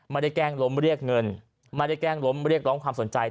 แกล้งล้มเรียกเงินไม่ได้แกล้งล้มเรียกร้องความสนใจ